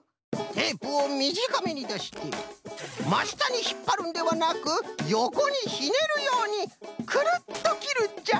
テープをみじかめにだしてましたにひっぱるんではなくよこにひねるようにくるっときるんじゃ。